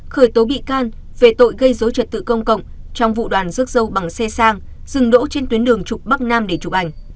khởi tố bị can về tội gây dối trật tự công cộng trong vụ đoàn rước dâu bằng xe sang dừng đỗ trên tuyến đường trục bắc nam để chụp ảnh